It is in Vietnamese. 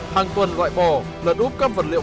hàng tuần gọi bỏ lật úp các vật liệu